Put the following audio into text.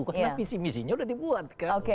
karena visi visinya sudah dibuat kan